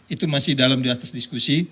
itu masih dalam di atas diskusi